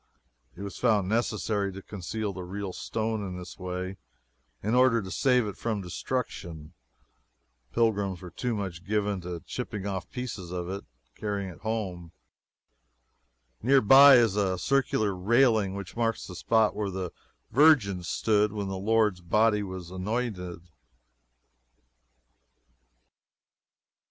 It was found necessary to conceal the real stone in this way in order to save it from destruction. Pilgrims were too much given to chipping off pieces of it to carry home. Near by is a circular railing which marks the spot where the Virgin stood when the Lord's body was anointed.